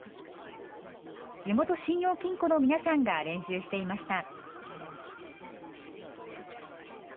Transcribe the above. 地元信用金庫の皆さんが練習していました。